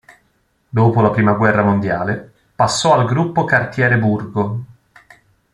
Dopo la prima guerra mondiale passò al Gruppo Cartiere Burgo..